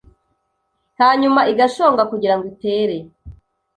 hanyuma igashonga kugirango itere